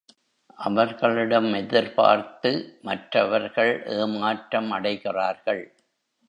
அவர்களிடம் எதிர்பார்த்து மற்றவர்கள் ஏமாற்றம் அடைகிறார்கள்.